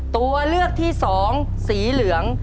ตัวเลือกที่สองสีเหลือง